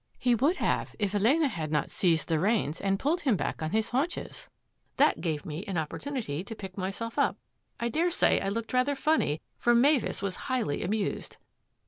" He would have if Elena had not seized the reins and pulled him back on his haunches. That gave me an opportunity to pick myself up. I daresay I looked rather funny, for Mavis was highly amused."